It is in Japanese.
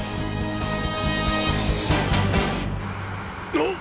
あっ！！